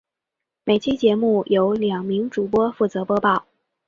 每期节目由两名主播负责播报。